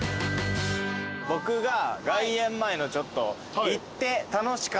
僕が外苑前のちょっと。